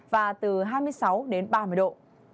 và từ hai mươi sáu ba mươi độ